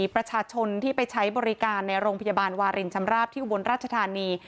ประชาชนที่ไปใช้บริการในโรงพยาบาลวารินชำราบที่อุบลราชธานี